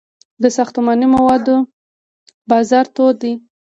د ساختماني موادو بازار تود دی